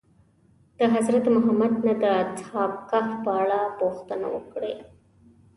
د حضرت محمد نه د اصحاب کهف په اړه پوښتنه وکړئ.